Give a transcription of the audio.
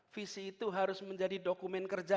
visi itu harus menjadi dokumen kerja